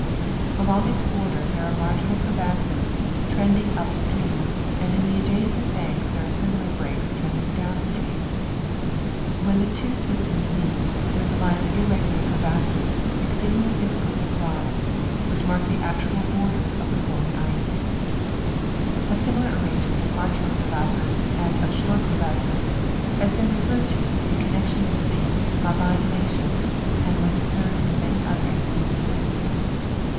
Along its border thei'c are marginal crevasses trending up stream, antl in the adjacent banks thei'c are similar bix\d<.s (rending down stream. W'lun'c the two systems meet there is a line of irregular crevasses, exceedingly tlillieult to cn)ss, whii'h mark the actual border oftlu^ flowing ii'c. A simi lar arrangenuMit of marginal crevassi>s and ol' shore t'revasses has been referred to in connection with the Marvine glacier, and was observed in many other instances.